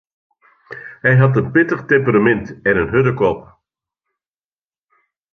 Hy hat in pittich temperamint en in hurde kop.